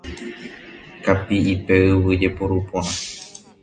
Kapi'ipe yvy jeporu porã.